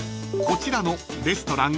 ［こちらの］